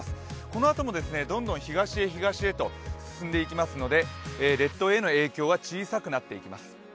このあともどんどん東へ東へと進んでいきますので列島への影響は小さくなっていきます。